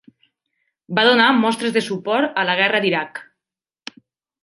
Va donar mostres de suport a la guerra d'Iraq.